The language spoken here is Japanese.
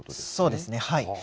そうですね。